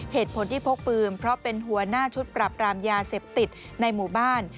เหตุผลที่พกปืนเพราะเป็นหัวหน้าชุดปรับรามยาเสพติดในหมู่บ้าน